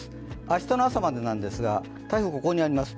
明日の朝までなんですが台風、ここにあります。